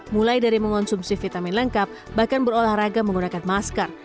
mulai dari mengonsumsi vitamin lengkap bahkan berolahraga menggunakan masker